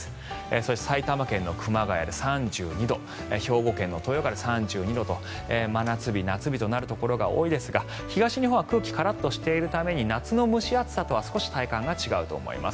そして埼玉県の熊谷で３２度兵庫県の豊岡で３２度と真夏日、夏日となるところが多いですが東日本は空気がカラッとしているために夏の蒸し暑さとは少し体感が違うと思います。